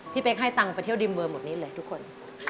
พี่เป๊กให้ตังค์ไปเที่ยวดิมเบอร์หมดนี้เลยทุกคน